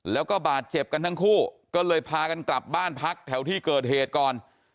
แล้วก็บาดเจ็บกันทั้งคู่ก็เลยพากันกลับบ้านพักแถวที่เกิดเหตุก่อน